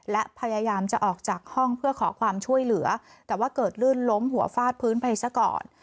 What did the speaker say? และพยายามจะออกจากห้องเพื่อขอความช่วยเหลือแต่ว่าเกิดลื่นล้มหัวฟาดพื้นไปซะก่อน